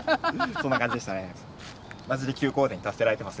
そんな感じでしたね。